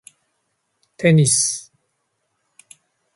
テニス